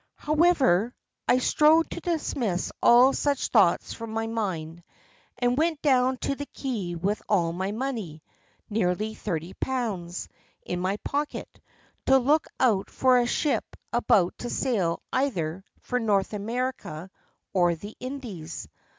"However, I strove to dismiss all such thoughts from my mind, and went down to the quay with all my money, nearly £30, in my pocket, to look out for a ship about to sail either for North America or the Indies.